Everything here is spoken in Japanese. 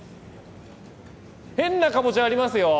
変なかぼちゃありますよ